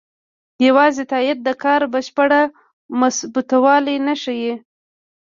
یوازې تایید د کار بشپړ مثبتوالی نه ښيي.